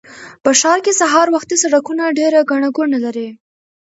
په ښار کې سهار وختي سړکونه ډېر ګڼه ګوڼه لري